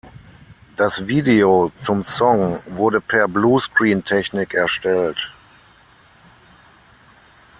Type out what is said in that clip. Das Video zum Song wurde per Bluescreen-Technik erstellt.